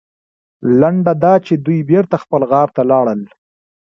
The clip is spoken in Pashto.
لنډه دا چې دوی بېرته خپل غار ته لاړل.